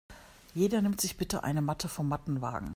Jeder nimmt sich bitte eine Matte vom Mattenwagen.